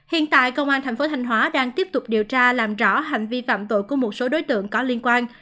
hiện tại công an tp thành hóa đang tiếp tục điều tra làm rõ hành vi phạm tội của một số đối tượng có liên quan